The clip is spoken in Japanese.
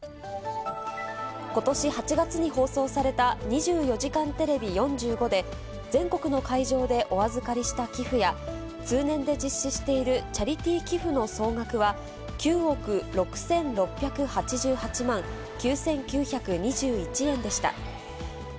ことし８月に放送された２４時間テレビ４５で、全国の会場でお預かりした寄付や、通年で実施しているチャリティー寄付の総額は、９億６６８８万９９２１円でした。